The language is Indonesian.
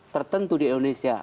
tertentu di indonesia